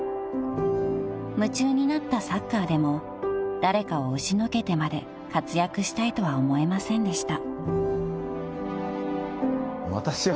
［夢中になったサッカーでも誰かを押しのけてまで活躍したいとは思えませんでした］